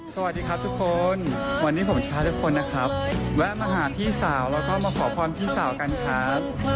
สวัสดีครับทุกคนวันนี้ผมพาทุกคนนะครับแวะมาหาพี่สาวแล้วก็มาขอพรพี่สาวกันครับ